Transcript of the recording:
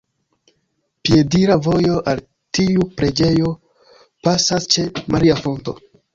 Piedira vojo al tiu preĝejo pasas ĉe "maria fonto".